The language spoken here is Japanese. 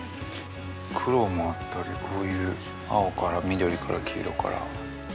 黒もあったりこういう青から緑から黄色から。